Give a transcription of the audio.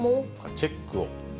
チェックを。